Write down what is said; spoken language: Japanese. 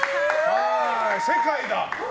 世界だ！